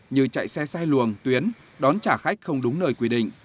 như chạy xe xay luồng tuyến đón trả khách không đúng nơi quy định